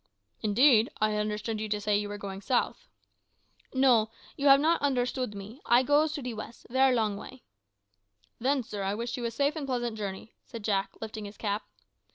"Indeed! I had understood you to say that you were going south." "No; you not have onderstand me. I goes to de west, ver' long way." "Then, sir, I wish you a safe and pleasant journey," said Jack, lifting his cap.